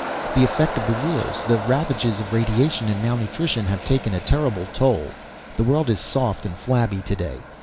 The effect of the wars, the ravages of radiation and malnutrition, have taken a terrible toll. The world is soft and flabby today.